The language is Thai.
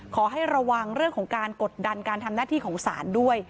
ขอให้ระวังเรื่องของการกดดันการทำหน้าที่ของศาลด้วย